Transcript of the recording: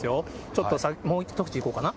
ちょっともう一口いこうかな。